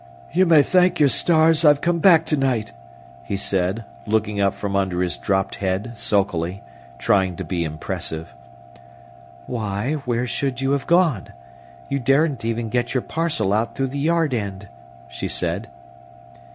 "You may thank your stars I've come back to night," he said, looking up from under his dropped head, sulkily, trying to be impressive. "Why, where should you have gone? You daren't even get your parcel through the yard end," she said.